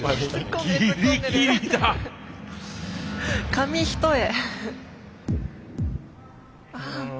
紙一重。